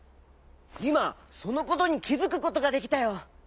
いまそのことにきづくことができたよ。